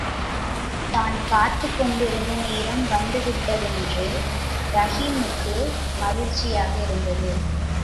தான் காத்துக் கொண்டிருந்த நேரம்வந்து விட்டதென்று ரஹீமுக்கு மகிழ்ச்சியாக இருந்தது.